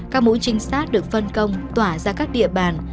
các mũi trinh sát được phân công tỏa ra các địa bàn